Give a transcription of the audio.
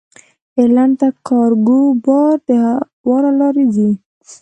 ایرلنډ ته کارګو بار د هوا له لارې ځي.